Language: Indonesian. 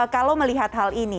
kalau melihat hal ini